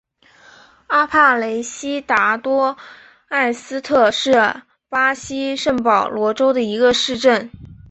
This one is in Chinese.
阿帕雷西达多埃斯特是巴西圣保罗州的一个市镇。